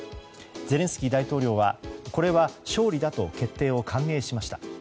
ゼレンスキー大統領はこれは勝利だと決定を歓迎しました。